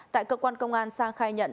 tại cơ quan công an sang khai nhận